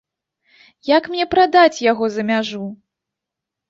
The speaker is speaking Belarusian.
Як мне прадаць яго за мяжу?